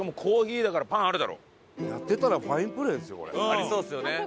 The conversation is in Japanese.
ありそうですよね。